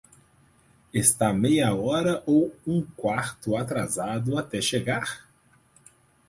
Está meia hora ou um quarto atrasado até chegar?